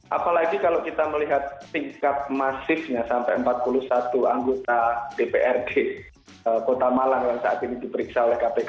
apalagi kalau kita melihat tingkat masifnya sampai empat puluh satu anggota dprd kota malang yang saat ini diperiksa oleh kpk